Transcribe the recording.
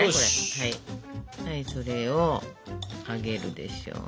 はいそれをあげるでしょ。